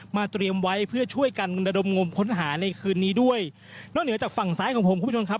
เตรียมไว้เพื่อช่วยกันระดมงมค้นหาในคืนนี้ด้วยนอกเหนือจากฝั่งซ้ายของผมคุณผู้ชมครับ